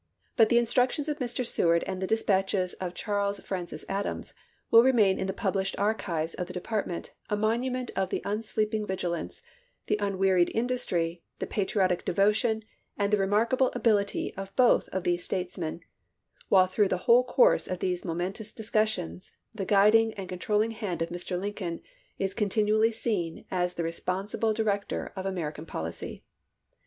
But the instructions of Mr. Seward and the dispatches of Charles Francis Adams will remain in the published archives of the department a monument of the unsleeping vigi lance, the unwearied industry, the patriotic devo tion, and the remarkable ability of both of these statesmen, while through the whole course of these momentous discussions, the guiding and controlling hand of Mr. Lincoln is continually seen as the re sponsible director of American policy.